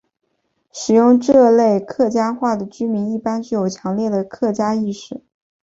使用这类客家话的居民一般具有强烈的客家意识。